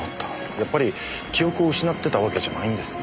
やっぱり記憶を失ってたわけじゃないんですね。